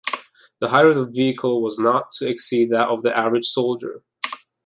The height of the vehicle was not to exceed that of the average soldier.